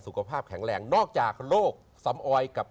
สุขภาพแข็งแรงนอกจากโรคสำออยกับ